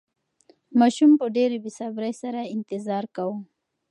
ماشوم په ډېرې بې صبرۍ سره انتظار کاوه.